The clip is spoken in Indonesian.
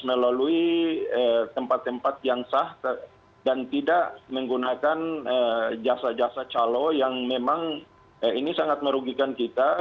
melalui tempat tempat yang sah dan tidak menggunakan jasa jasa calo yang memang ini sangat merugikan kita